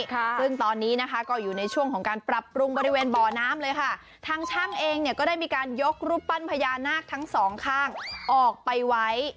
ซึ่งตอนนี้นะคะก็อยู่ในช่วงของการปรับปรุงบริเวณบ่อน้ำเลยค่ะทางช่างเองเนี่ยก็ได้มีการยกรูปปั้นพญานาคทั้งสองข้างออกไปไว้